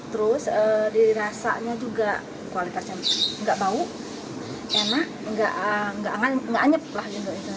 terus dirasanya juga kualitasnya enak enggak bau enak enggak anyap lah